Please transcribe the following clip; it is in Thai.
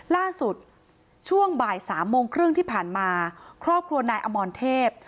ล่าสุดช่วงบ่ายสามโมงครึ่งที่ผ่านมาครอบครัวนายอมรเทพ